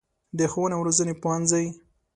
د ښوونې او روزنې پوهنځی